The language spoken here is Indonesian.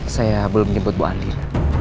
saya belum nyebut bu andien